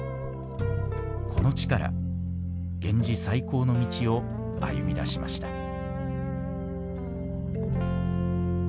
この地から源氏再興の道を歩みだしました。